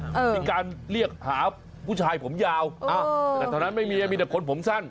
มีการเรียกหาผู้ชายผมยาวแต่เท่านั้นไม่มีมีแต่คนผมสั้น